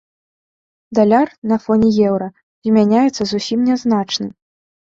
Даляр на фоне еўра змяняецца зусім нязначна.